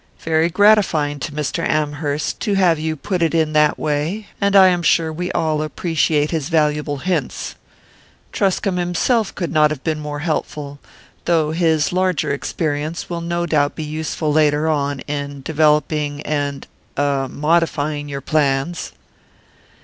"Very gratifying to Mr. Amherst to have you put it in that way; and I am sure we all appreciate his valuable hints. Truscomb himself could not have been more helpful, though his larger experience will no doubt be useful later on, in developing and er modifying your plans."